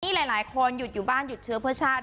นี่หลายคนหยุดอยู่บ้านหยุดเชื้อเพื่อชาติ